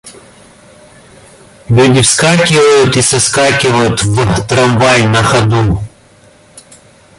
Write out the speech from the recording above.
Люди вскакивают и соскакивают в трамвай на ходу.